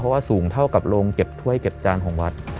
เพราะว่าสูงเท่ากับโรงเก็บถ้วยเก็บจานของวัด